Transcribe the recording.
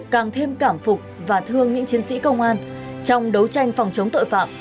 càng thêm cảm phục và thương những chiến sĩ công an trong đấu tranh phòng chống tội phạm